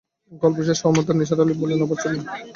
গল্প শেষ হওয়ামাত্র নিসার আলি বললেন, আবার বলুন।